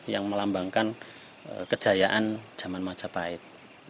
yang melambangkan kejayaan zaman majapahit